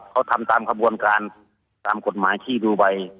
เขาทำตามขบวนการตามกฎหมายที่ดูไบ